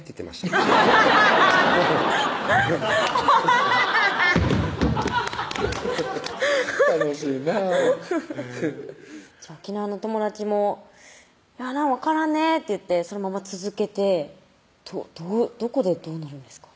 アハハハッ楽しいなぁへぇ沖縄の友達も「分からんね」って言ってそのまま続けてどこでどうなるんですか？